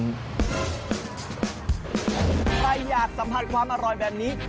ใครอยากสัมผัสความอร่อยแบบนี้